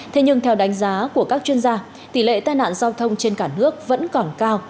thế nhưng theo đánh giá của các chuyên gia tỷ lệ tai nạn giao thông trên cả nước vẫn còn cao